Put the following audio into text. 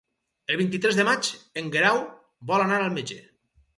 El vint-i-tres de maig en Guerau vol anar al metge.